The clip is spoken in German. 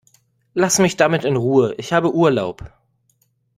Lass mich damit in Ruhe, ich habe Urlaub!